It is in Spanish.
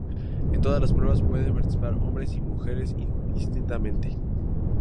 En todas las pruebas pueden participar hombres o mujeres, indistintamente.